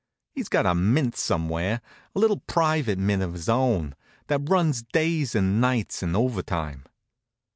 He's got a mint somewhere, a little private mint of his own, that runs days and nights and overtime.